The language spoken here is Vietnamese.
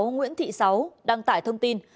sáu nguyễn thị sáu đăng tải thông tin